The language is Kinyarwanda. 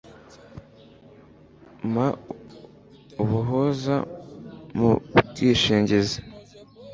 m ubuhuza mu bwishingizi